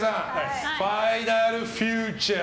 ファイナルフューチャー？